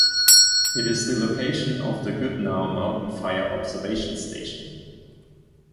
It is the location of the Goodnow Mountain Fire Observation Station.